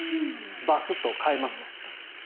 バスッと変えますと。